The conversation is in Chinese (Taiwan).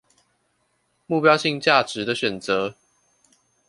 目標性價值的選擇